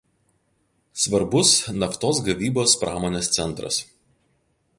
Svarbus naftos gavybos pramonės centras.